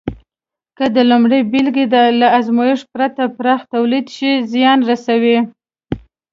که د لومړۍ بېلګې له ازمېښت پرته پراخ تولید وشي، زیان رسوي.